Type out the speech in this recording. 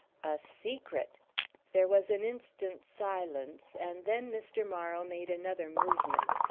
"A secret!" There was an instant's silence, and then Mr. Morrow made another movement.